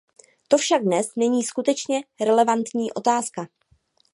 To však dnes není skutečně relevantní otázka.